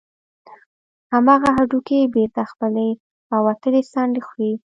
همغه هډوکى بېرته خپلې راوتلې څنډې خوري.